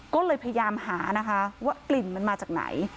ก็เลยพยายามหานะคะว่ากลิ่นมันมาจากไหน